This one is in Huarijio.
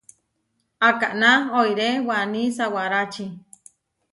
Akaná oiré waní sawárači.